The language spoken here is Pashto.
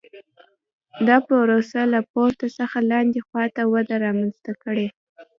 دا پروسه له پورته څخه لاندې خوا ته وده رامنځته کړي